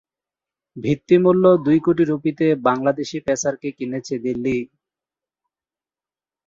তিনি সংসদে প্রতিবন্ধী ব্যক্তিদের প্রতিনিধিত্বের জন্য প্রচেষ্টা চালিয়ে যাচ্ছেন এবং এর দিকে উল্লেখযোগ্য অগ্রগতি অর্জন করেছেন।